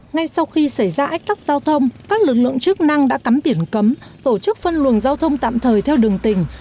ngay sau khi xảy ra ách tắc giao thông các lực lượng chức năng đã cắm biển cấm tổ chức phân luồng giao thông tạm thời theo đường tỉnh